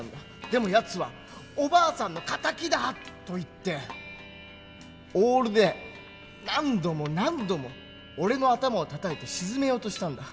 でもやつは「おばあさんの敵だ！」と言ってオールで何度も何度も俺の頭をたたいて沈めようとしたんだ。